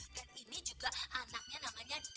dan ini juga anaknya namanya ma